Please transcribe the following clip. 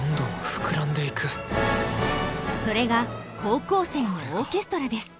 それが高校生のオーケストラです。